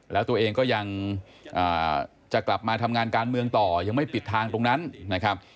แล้วตัวเองก็ยังจะกลับมาทำงานการเมืองต่อยังไม่ปิดทางตรงนั้นนะครับ